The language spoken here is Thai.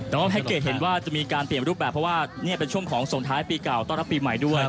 แต่ว่าแพ็กเกจเห็นว่าจะมีการเปลี่ยนรูปแบบเพราะว่านี่เป็นช่วงของส่งท้ายปีเก่าต้อนรับปีใหม่ด้วย